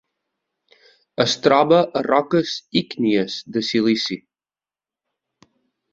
Es troba a roques ígnies de silici.